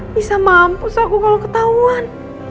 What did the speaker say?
bisa mampus aku kalo ketauan